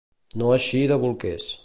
No eixir de bolquers.